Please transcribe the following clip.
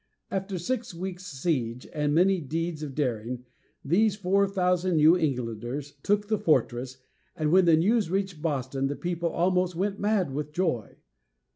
After six weeks' siege, and many deeds of daring, these four thousand New Englanders took the fortress, and when the news reached Boston the people almost went mad with joy.